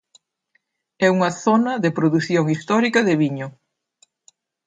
É unha zona de produción histórica de viño.